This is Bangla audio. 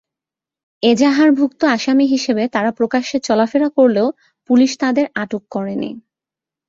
এজাহারভুক্ত আসামি হিসেবে তাঁরা প্রকাশ্যে চলাফেরা করলেও পুলিশ তাঁদের আটক করেনি।